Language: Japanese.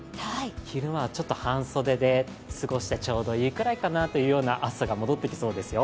昼間はちょっと半袖で過ごしてちょうどいいくらいかなという暑さが戻ってきそうですよ。